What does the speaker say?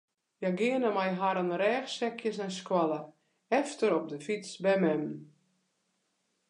Hja geane mei harren rêchsekjes nei skoalle, efter op de fyts by mem.